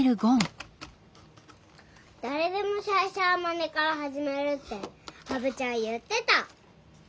「誰でも最初は真似から始める」って羽生ちゃん言ってた。